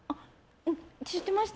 知ってました？